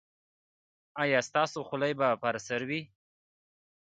ایا ستاسو خولۍ به پر سر وي؟